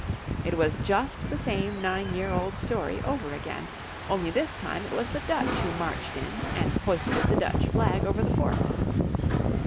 It was just the same nine year old story over again. Only this time it was the Dutch who marched in and hoisted the Dutch flag over the fort.